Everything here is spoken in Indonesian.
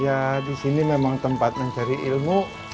ya di sini memang tempat mencari ilmu